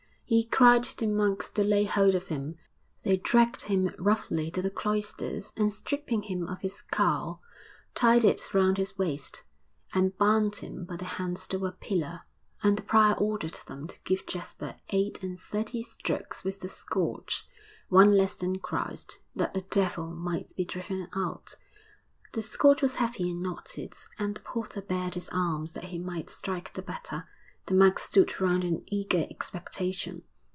He cried to monks to lay hold of him; they dragged him roughly to the cloisters, and stripping him of his cowl tied it round his waist, and bound him by the hands to a pillar.... And the prior ordered them to give Jasper eight and thirty strokes with the scourge one less than Christ that the devil might be driven out. The scourge was heavy and knotted, and the porter bared his arms that he might strike the better; the monks stood round in eager expectation.